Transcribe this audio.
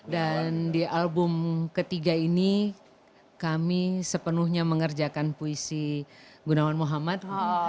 dan di album ketiga ini kami sepenuhnya mengerjakan puisi gunawan muhammad